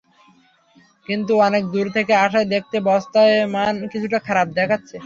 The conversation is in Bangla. কিন্তু অনেক দূর থেকে আসায় দেখতে বস্তার মান কিছুটা খারাপ দেখাচ্ছে।